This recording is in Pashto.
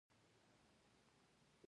هلته د یوه دوست د زوی واده وو.